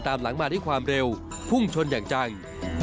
ตามหลังมาด้วยความเร็วพุ่งชนอย่างจัง